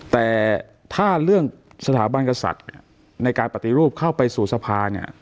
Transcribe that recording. แต่ถ้าเรื่องสถาบันกษัตริย์ในการปฏิรูปเข้าไปสู่สภาเนี่ย